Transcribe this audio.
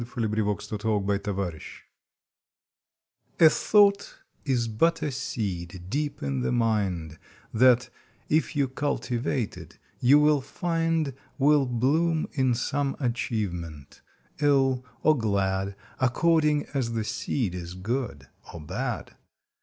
July Nineteenth THE THOUGHT GARDEN A THOUGHT is but a Seed deep in the ri Mind That, if you cultivate it, you will find Will bloom in some achievement, ill or glad, According as the Seed is good or bad.